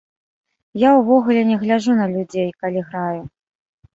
Я увогуле не гляджу на людзей, калі граю.